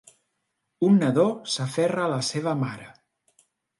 Un nadó s'aferra a la seva mare.